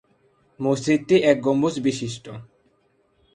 মসজিদটি এক গম্বুজ বিশিষ্ট।